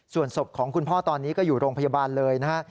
ส่วนศพของคุณพ่อตอนนี้ก็อยู่โรงพยาบาลเลยนะฮะ